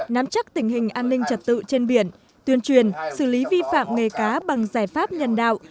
nắm chắc tình hình an ninh trật tự trên biển tuyên truyền xử lý vi phạm nghề cá bằng giải pháp nhân đạo